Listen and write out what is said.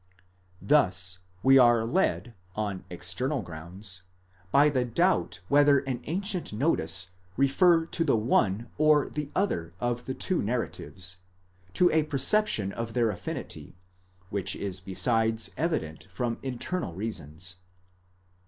Thus we are led on external grounds, by the doubt whether an ancient notice refer to the one or the other of the two narratives, to a perception of their affinity,' which is besides evident from internal reasons.